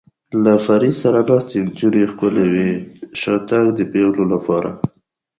له فرید سره ناستې نجونې ښکلې وې، شاتګ د پېغلو لپاره.